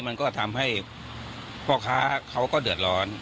มันก็ทำให้พ่อค้าเขาก็เดือดร้อน